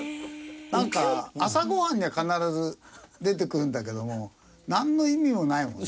なんか朝ご飯には必ず出てくるんだけどもなんの意味もないもんね。